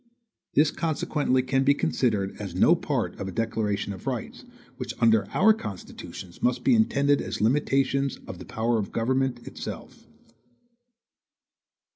This consequently can be considered as no part of a declaration of rights, which under our constitutions must be intended as limitations of the power of the government itself.